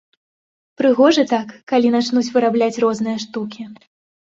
Прыгожа так, калі пачнуць вырабляць розныя штукі.